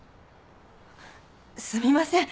すみません。